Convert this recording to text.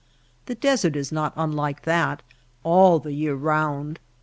The desert is not unlike that all the year round.